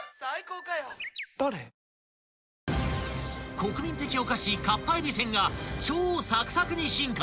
［国民的お菓子かっぱえびせんが超サクサクに進化］